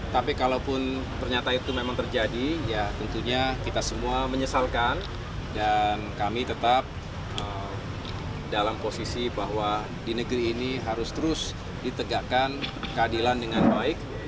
tapi kalaupun ternyata itu memang terjadi ya tentunya kita semua menyesalkan dan kami tetap dalam posisi bahwa di negeri ini harus terus ditegakkan keadilan dengan baik